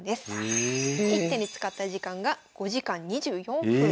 １手に使った時間が５時間２４分。